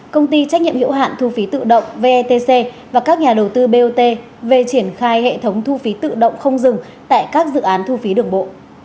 công ty trách nhiệm hiệu hạn thu phí tự động vetc và các nhà đầu tư bot về triển khai hệ thống thu phí tự động không dừng tại các dự án thu phí đường bộ